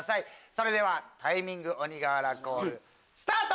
それではタイミング鬼瓦コールスタート！